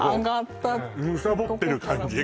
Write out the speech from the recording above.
むさぼってる感じ